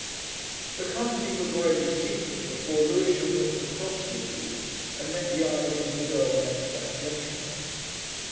The company was already seated before Lewisham looked across Lagune and met the eyes of the girl next that gentleman.